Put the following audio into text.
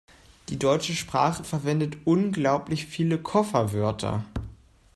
Die deutsche Sprache verwendet unglaublich viele Kofferwörter.